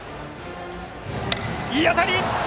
いい当たり！